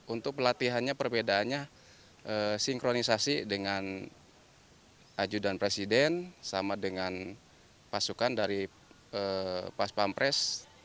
untuk pelatihannya perbedaannya sinkronisasi dengan ajudan presiden sama dengan pasukan dari pas pampres